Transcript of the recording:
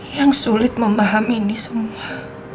yang sulit memahami ini semua